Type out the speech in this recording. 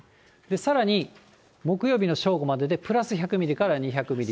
さらに木曜日の正午まででプラス１００ミリから２００ミリ。